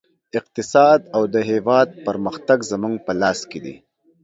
اقتصاد او د هېواد پرمختګ زموږ په لاس کې دی